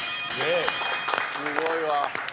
すごいわ。